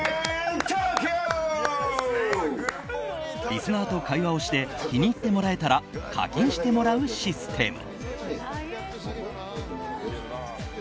リスナーと会話をして気に入ってもらえたら課金してもらうシステム。